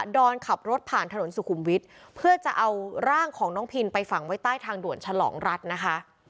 อนขับรถผ่านถนนสุขุมวิทย์เพื่อจะเอาร่างของน้องพินไปฝังไว้ใต้ทางด่วนฉลองรัฐนะคะ